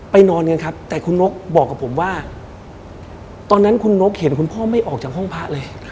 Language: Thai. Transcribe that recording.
นอนกันครับแต่คุณนกบอกกับผมว่าตอนนั้นคุณนกเห็นคุณพ่อไม่ออกจากห้องพระเลย